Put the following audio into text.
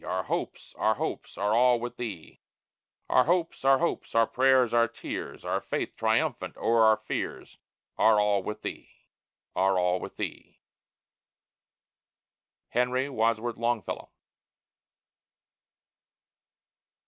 Our hearts, our hopes, are all with thee, Our hearts, our hopes, our prayers, our tears, Our faith triumphant o'er our fears, Are all with thee, are all with thee! HENRY WADSWORTH LONGFELLOW.